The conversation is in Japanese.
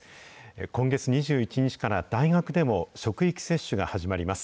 今月２１日から大学でも職域接種が始まります。